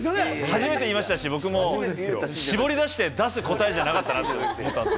初めて言いましたし、僕も絞り出して出す答えじゃなかったなって。